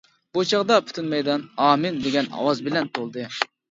بۇ چاغدا پۈتۈن مەيدان «ئامىن» دېگەن ئاۋاز بىلەن تولدى.